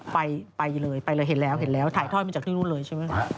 ไปเลยเห็นแล้วถ่ายถ้อยมาจากที่นู่นเลยใช่ไหม